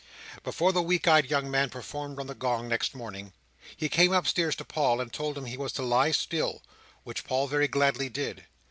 Before the weak eyed young man performed on the gong next morning, he came upstairs to Paul and told him he was to lie still, which Paul very gladly did.